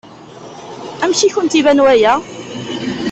Amek i kent-iban waya?